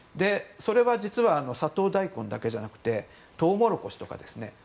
それは実はサトウダイコンだけじゃなくてトウモロコシとかですね。